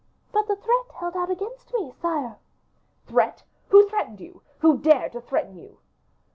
"But the threat held out against me, sire." "Threat! who threatened you who dared to threaten you?"